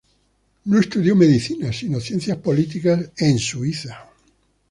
No estudió medicina, sino ciencias políticas en Suiza.